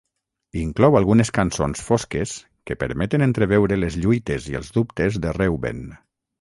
Inclou algunes cançons fosques que permeten entreveure les lluites i els dubtes de Reuben.